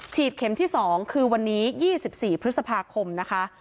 เข็มที่๒คือวันนี้๒๔พฤษภาคมนะคะ